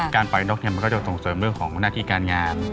ปล่อยนกมันก็จะส่งเสริมเรื่องของหน้าที่การงาน